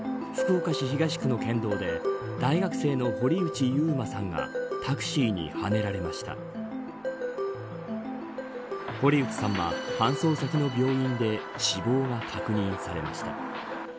福岡市東区の県道で大学生の堀内悠馬さんがタクシーにはねられました堀内さんは、搬送先の病院で死亡が確認されました。